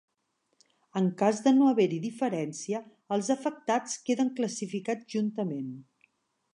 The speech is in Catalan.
En cas de no haver-hi diferència, els afectats queden classificats juntament.